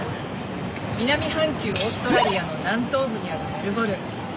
南半球オーストラリアの南東部にあるメルボルン。